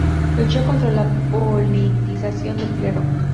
Luchó contra la politización del clero.